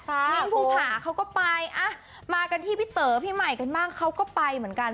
มิ้นภูผาเขาก็ไปมากันที่พี่เต๋อพี่ใหม่กันบ้างเขาก็ไปเหมือนกัน